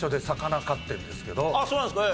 あっそうなんですか。